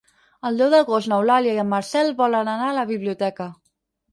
El deu d'agost n'Eulàlia i en Marcel volen anar a la biblioteca.